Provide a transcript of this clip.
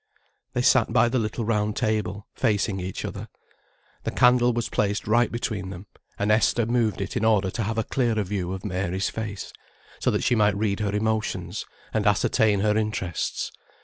They sat by the little round table, facing each other. The candle was placed right between them, and Esther moved it in order to have a clearer view of Mary's face, so that she might read her emotions, and ascertain her interests.